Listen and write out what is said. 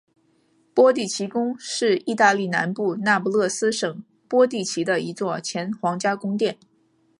波蒂奇宫是意大利南部那不勒斯省波蒂奇的一座前皇家宫殿。